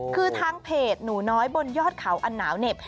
คือทางเพจหนูน้อยบนยอดเขาอันหนาวเหน็บ